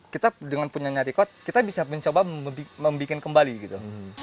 kita dengan punya nya record kita bisa mencoba membuat kembali gitu